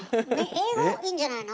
英語いいんじゃないの？